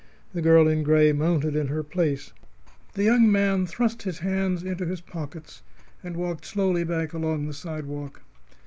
The girl in gray mounted in her place. The young man thrust his hands into his pockets and walked slowly back along the sidewalk.